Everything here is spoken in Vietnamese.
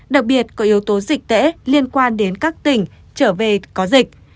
đặc biệt có yếu tố dịch tễ liên quan đến các tỉnh trở về có dịch